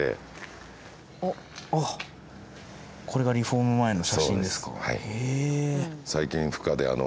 あっこれがリフォーム前の写真ですか？